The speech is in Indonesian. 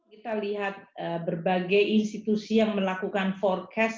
kita lihat berbagai institusi yang melakukan forecast